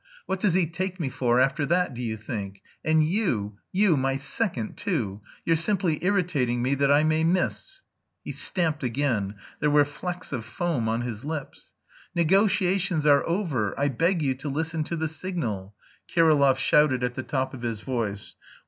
What does he take me for, after that, do you think?... And you, you, my second, too! You're simply irritating me that I may miss." He stamped again. There were flecks of foam on his lips. "Negotiations are over. I beg you to listen to the signal!" Kirillov shouted at the top of his voice.